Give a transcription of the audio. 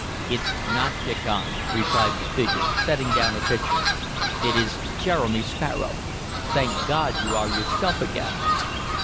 "It's not Diccon," replied the figure, setting down a pitcher. "It is Jeremy Sparrow. Thank God, you are yourself again!"